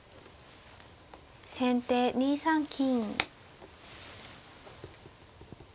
先手２三金。